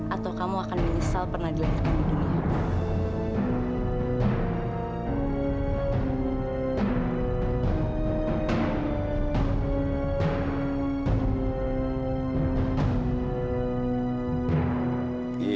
atau kamu akan menyesal pernah dilahirkan di dunia